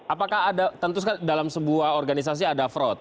apakah ada tentu dalam sebuah organisasi ada fraud